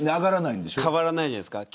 変わらないじゃないですか。